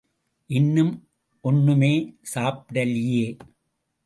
இன்னும் ஒன்னுமே சாப்பிடலியே!